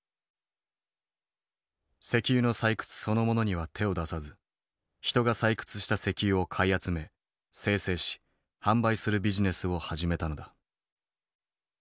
石油の採掘そのものには手を出さず人が採掘した石油を買い集め精製し販売するビジネスを始めたのだ。